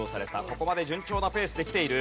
ここまで順調なペースできている。